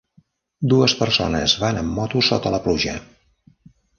Dues persones van en moto sota la pluja.